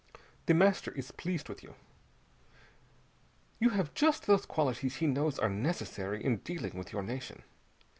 The Master is pleased with you. You have just those qualities he knows are necessary in dealing with your nation.